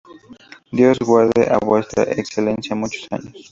Dios guarde a vuestra excelencia muchos años.